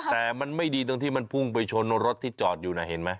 แต่มันไม่ดีตรงที่มันพุ่งไปชนรถที่จอดอยู่นะเห็นไหม